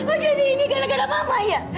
oh jadi ini gara gara mama ya